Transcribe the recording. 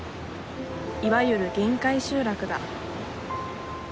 いわゆる限界集落だ。